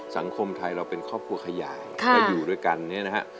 สังคมไทยเราเป็นครอบครัวขยายและอยู่ด้วยกันเนี่ยนะฮะ